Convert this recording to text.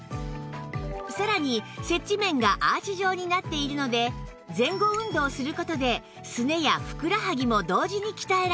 さらに接地面がアーチ状になっているので前後運動する事ですねやふくらはぎも同時に鍛えられるんです